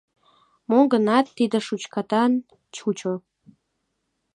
Мо гынат, тиде шучкатан чучо.